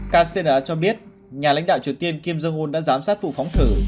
kcna cho biết nhà lãnh đạo triều tiên kim jong un đã giám sát vụ phóng thử